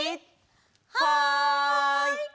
はい！